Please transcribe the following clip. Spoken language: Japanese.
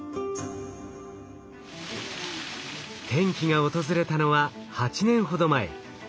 転機が訪れたのは８年ほど前。